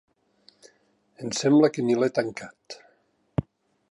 Em sembla que ni l'he tancat.